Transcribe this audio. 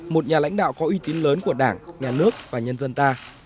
một nhà lãnh đạo có uy tín lớn của đảng nhà nước và nhân dân ta